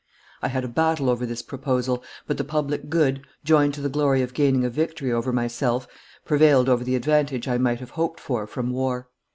I had a battle over this proposal, but the public good, joined to the glory of gaining a victory over myself, prevailed over the advantage I might have hoped for from war.